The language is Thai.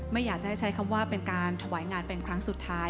ไม่อยากจะให้ใช้คำว่าเป็นการถวายงานเป็นครั้งสุดท้าย